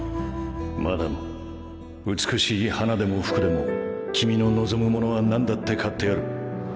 「マダム美しい花でも服でも君の望むものは何だって買ってやる。